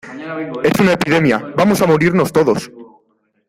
es una epidemia, vamos a morirnos todos.